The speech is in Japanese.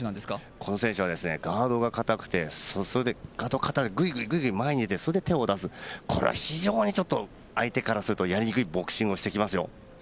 この選手はガードが堅くてぐいぐい前に出てそれで手を出す、非常に相手からするとやりにくいボクシングをしてきますよ。